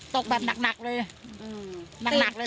ตกแบบหนักเลย